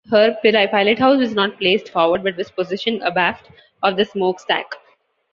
Her pilothouse was not placed forward but was positioned abaft of the smokestack.